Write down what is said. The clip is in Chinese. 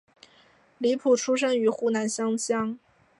李普出生于湖南湘乡。